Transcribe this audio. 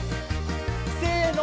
せの！